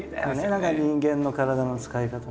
何か人間の体の使い方ってね。